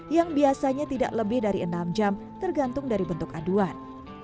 yang biasanya tidak lebih dari enam jam tergantung dari bentuk aduan